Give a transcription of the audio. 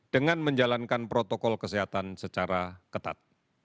dengan menjalankan protokol kesehatan secara ketat